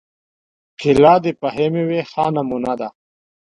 کېله د پخې مېوې ښه نمونه ده.